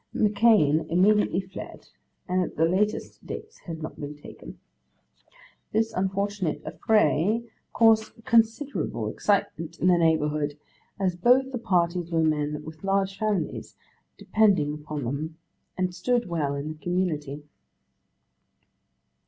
M'Kane immediately fled and at the latest dates had not been taken. 'This unfortunate affray caused considerable excitement in the neighbourhood, as both the parties were men with large families depending upon them and stood well in the community.